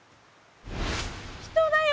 人だよ！